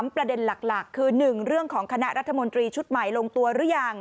ประเด็นหลักคือ๑เรื่องของคณะรัฐมนตรีชุดใหม่ลงตัวหรือยัง